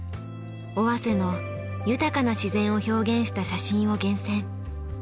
尾鷲の豊かな自然を表現した写真を厳選。